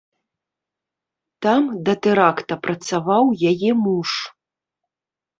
Там да тэракта працаваў яе муж.